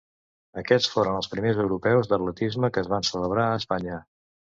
Aquests foren els primers europeus d'atletisme que es van celebrar a Espanya.